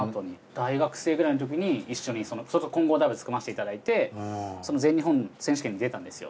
大学生くらいのときに一緒に混合ダブルス組ませていただいてその全日本選手権に出たんですよ。